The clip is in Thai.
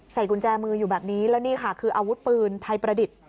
กุญแจมืออยู่แบบนี้แล้วนี่ค่ะคืออาวุธปืนไทยประดิษฐ์